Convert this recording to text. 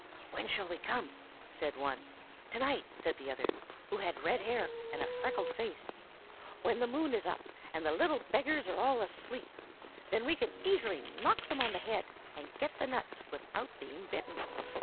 "'When shall we come?' said one. "'To night,' said the other, who had red hair and a freckled face, 'when the moon is up, and the little beggars are all asleep. Then we can easily knock them on the head, and get the nuts without being bitten.